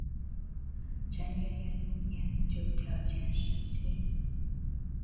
承元元年九条兼实薨。